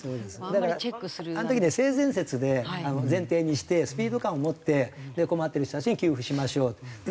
だからあの時ね性善説で前提にしてスピード感を持って困ってる人たちに給付しましょう。